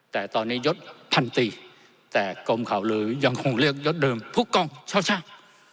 แต่ตอนนี้ยศพันตรีแต่กรมข่าวลือยังคงเรียกยศเดิมทุกกองเช่าชาติ